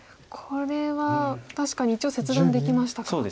これは確かに一応切断できましたか。